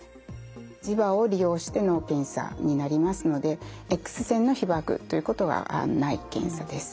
磁場を利用しての検査になりますのでＸ線の被ばくということはない検査です。